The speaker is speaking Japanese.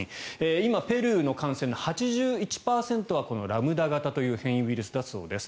今、ペルーの感染の８１％はこのラムダ型という変異ウイルスだそうです。